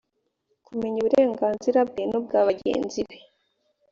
kumenya uburenganzira bwe n’ubwa bagenzi be